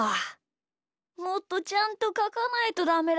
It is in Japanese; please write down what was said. もっとちゃんとかかないとダメだ。